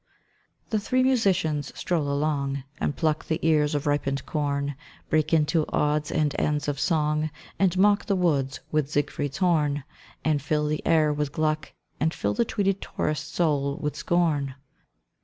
The three musicians stroll along And pluck the ears of ripened corn, Break into odds and ends of song, And mock the woods with Siegfried's horn, And fill the air with Gluck, and fill the tweeded tourist's soul with scorn.